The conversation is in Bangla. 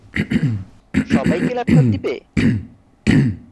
সবাইকে ল্যাপটপ দিবে?